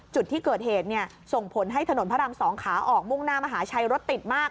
จุดที่เกิดเหตุส่งผลให้ถนนพระราม๒ขาออกมุ่งหน้ามหาชัยรถติดมาก